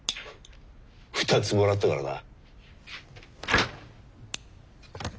２つもらったからな。